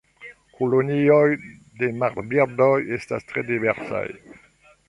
Kolonioj de marbirdoj estas tre diversaj.